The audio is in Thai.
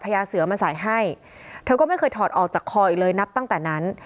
อยู่ตากคออีกเลยนับตั้งแต่นั้น